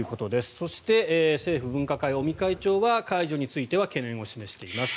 そして、政府分科会の尾身会長は解除については懸念を示しています。